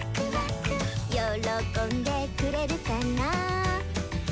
「よろこんでくれるかな？」